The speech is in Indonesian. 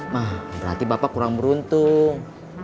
mah berarti bapak kurang beruntung